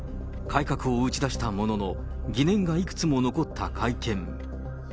改革を打ち出したものの、疑念がいくつも残った会見。